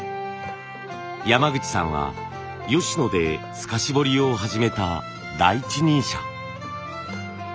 山口さんは吉野で透かし彫りを始めた第一人者。